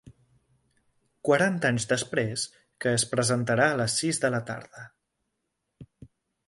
Quaranta anys després, que es presentarà a les sis de la tarda.